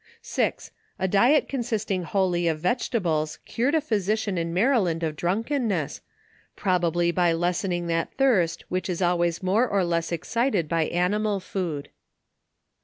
6. A diet consisting wholly of vegetables, cured a phy sician in Maryland of drunkenness, probably by lessen ing that thirst, which is always more or less excited by animal food.